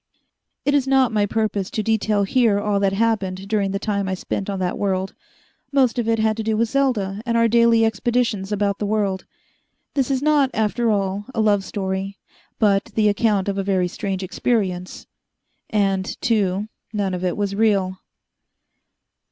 It is not my purpose to detail here all that happened during the time I spent on that world. Most of it had to do with Selda, and our daily expeditions about the world. This is not, after all, a love story, but the account of a very strange experience; and, too, none of it was real.